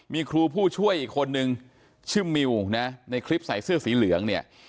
มีครูผู้ช่วยอีกคนนึงชื่อมิวนะในคลิปใส่เสื้อสีเหลืองเนี่ย